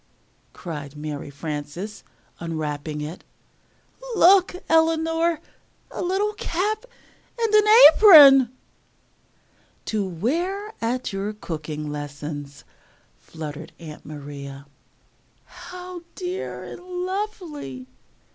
cried Mary Frances unwrapping it. "Look, Eleanor! a little cap and apron!" "To wear at your cooking lessons," fluttered Aunt Maria. "How dear and lovely!"